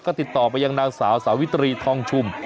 ก็ติดต่อไปยังนางสาวสาวิตรีทองชุม